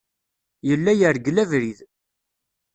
Yella yergel abrid.